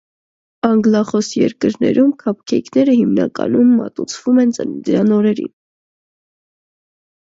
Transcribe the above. Անգլախոս երկրներում քափքեյքերը հիմնականում մատուցվում են ծննդյան օրերին։